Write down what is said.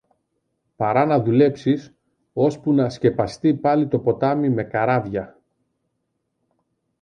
παρά να δουλέψεις ώσπου να σκεπαστεί πάλι το ποτάμι με καράβια.